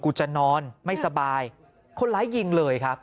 จะนอนไม่สบายคนร้ายยิงเลยครับ